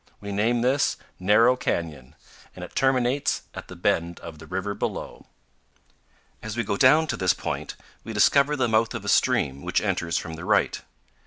We name this Narrow Canyon, and it terminates at the bend of the river below. As we go down to this point we discover the mouth of a stream which enters from the right.